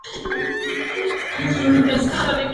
Fantasy", el cual gozó de una buena acogida en Reino Unido.